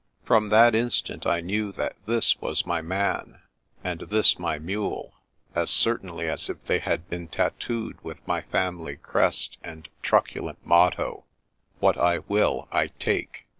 From that instant I knew that this was my man, and this my mule, as certainly as if they had been tattooed with my family crest and truculent motto :" What I will, I take."